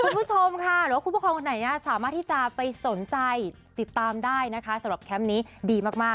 คุณผู้ชมค่ะหรือว่าผู้ประคองคนไหนสามารถที่จะไปสนใจติดตามได้นะคะสำหรับแคมป์นี้ดีมาก